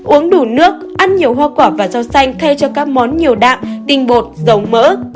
uống đủ nước ăn nhiều hoa quả và rau xanh thay cho các món nhiều đạm tinh bột dầu mỡ